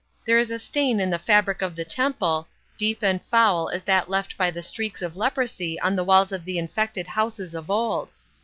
There is a stain in the fabric of the Temple, deep and foul as that left by the streaks of leprosy on the walls of the infected houses of old.